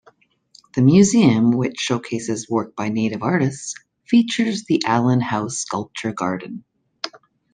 The museum, which showcases work by Native artists, features the Allan Houser Sculpture Garden.